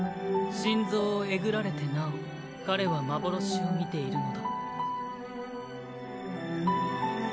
心臓をえぐられてなお彼は幻を見ているのだ。